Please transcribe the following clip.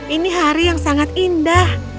ini hari yang sangat indah